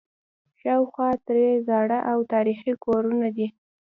شاوخوا ترې زاړه او تاریخي کورونه دي.